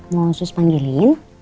mau sus panggilin